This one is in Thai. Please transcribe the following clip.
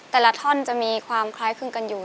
แต่ละท่อนจะมีความคล้ายครึ่งกันอยู่